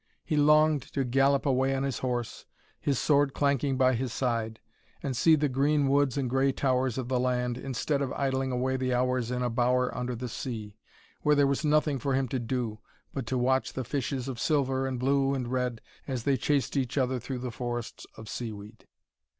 He longed to gallop away on his horse, his sword clanking by his side, and see the green woods and grey towers of the land, instead of idling away the hours in a bower under the sea, where there was nothing for him to do, but to watch the fishes of silver and blue and red, as they chased each other through the forests of seaweed.